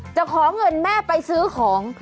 ขอเงินแม่ไปซื้อของ